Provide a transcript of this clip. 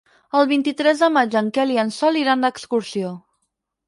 El vint-i-tres de maig en Quel i en Sol iran d'excursió.